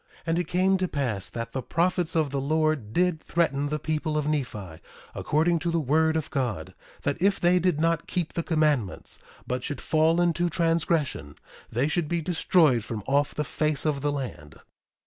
1:10 And it came to pass that the prophets of the Lord did threaten the people of Nephi, according to the word of God, that if they did not keep the commandments, but should fall into transgression, they should be destroyed from off the face of the land.